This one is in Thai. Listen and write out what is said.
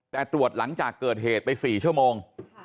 แต่ตรวจหลังจากเกิดเหตุไป๔ชั่วโมง